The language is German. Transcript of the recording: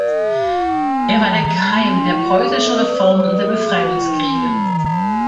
Er war der Keim der Preußischen Reformen und der Befreiungskriege.